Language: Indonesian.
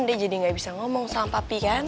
dia jadi nggak bisa ngomong sama papi kan